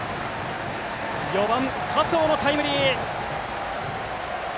４番の加藤のタイムリー！